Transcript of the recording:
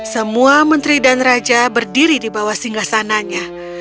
semua menteri dan raja berdiri di bawah singgah sananya